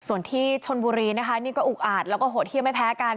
ส่วนที่ชนบุรีนะคะนี่ก็อุกอาดแล้วก็โหดเยี่ยมไม่แพ้กัน